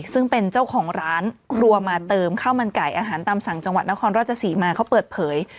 ซึ่งเป็นเจ้าของร้านครัวมาเติมข้าวมันไก่อาหารตามสั่งจังหวัดนครราชศรีมาเขาเปิดเผย